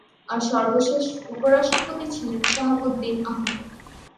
আর সর্বশেষ উপরাষ্ট্রপতি ছিলেন শাহাবুদ্দিন আহমেদ।